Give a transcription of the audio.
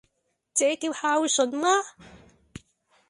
這叫孝順嗎？